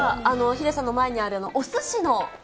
ヒデさんの前にあるおすしの。